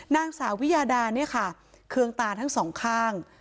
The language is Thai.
นางสาววิยาดาคืองตาทั้ง๒ข้าง